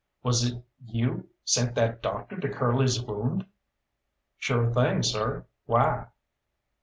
"Was it you sent that doctor to Curly's wound?" "Sure thing, sir. Why?"